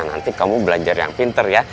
nanti kamu belajar yang pinter ya